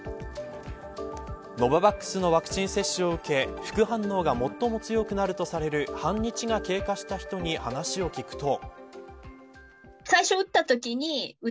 ノババックスのワクチン接種を受け副反応が最も強くなるとされる半日が経過した人に話を聞くと。